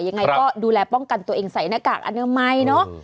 ยังไงก็ดูแลป้องกันตัวเองใส่หน้ากากอนามัยเนอะ